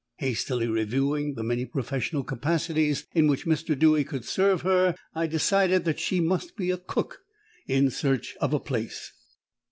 Hastily reviewing the many professional capacities in which Mr. Dewy could serve her, I decided that she must be a cook in search of a place.